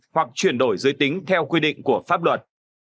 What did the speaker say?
hoặc chuyển đổi giới tính theo quy định của pháp luật